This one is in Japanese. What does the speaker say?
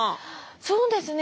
そうですね